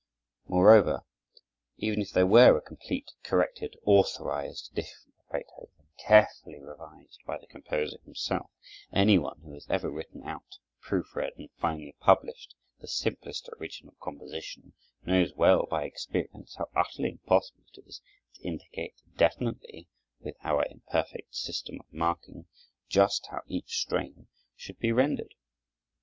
Moreover, even if there were a complete, corrected, authorized edition of Beethoven, carefully revised by the composer himself, any one who has ever written out, proof read, and finally published the simplest original composition knows well by experience how utterly impossible it is to indicate definitely, with our imperfect system of marking, just how each strain should be rendered.